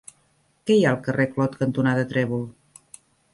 Què hi ha al carrer Clot cantonada Trèvol?